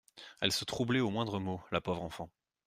Elle se troublait au moindre mot, la pauvre enfant.